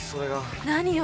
何よ。